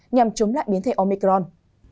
nhằm chống lại biến thể omicron